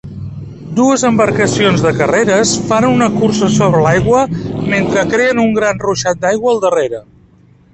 Dues embarcacions de carreres fan una cursa sobre l'aigua mentre creen un gran ruixat d'aigua al darrere.